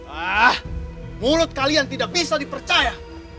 ah mulut kalian tidak bisa dipercaya